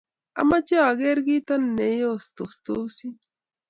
amoche ager kito neoestostosii.